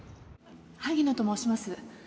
萩野と申します。